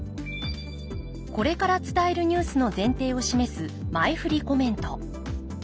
これから伝えるニュースの前提を示す前振りコメント。